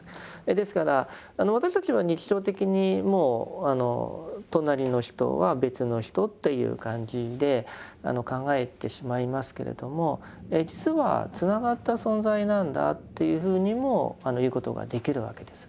ですから私たちは日常的にもう隣の人は別の人という感じで考えてしまいますけれども実はつながった存在なんだというふうにも言うことができるわけです。